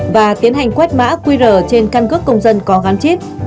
và tiến hành quét mã qr trên căn cước công dân có gắn chip